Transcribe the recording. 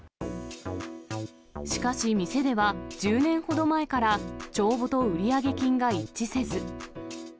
しかし、店では、１０年ほど前から、帳簿と売上金が一致せず。